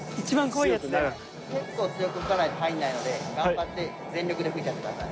結構強く吹かないと入らないので頑張って全力で吹いちゃってください。